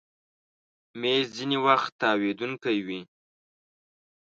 مېز ځینې وخت تاوېدونکی وي.